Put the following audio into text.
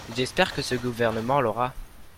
J’espère que ce gouvernement l’aura.